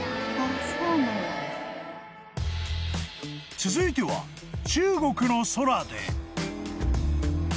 ［続いては中国の空で］